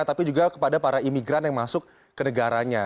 tapi juga kepada para imigran yang masuk ke negaranya